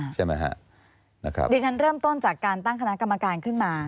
เดี๋ยวฉันเริ่มต้นจากการตั้งคณะกรรมการขึ้นมา